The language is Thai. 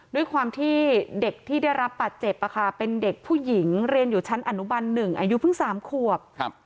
ด้วยความที่เด็กที่ได้รับบาดเจ็บเป็นเด็กผู้หญิงเรียนอยู่ชั้นอนุบัน๑อายุเพิ่ง๓ขวบ